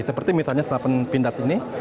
seperti misalnya senapan pindad ini